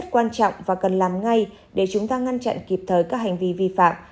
quan trọng và cần làm ngay để chúng ta ngăn chặn kịp thời các hành vi vi phạm